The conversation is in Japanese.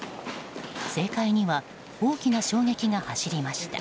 政界には大きな衝撃が走りました。